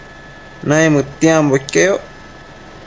Naimëdtiambo iqueyoc